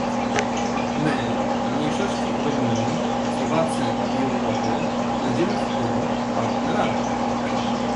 My - mniejszości Rumunii, Słowacji i Europy - będziemy w tym partnerami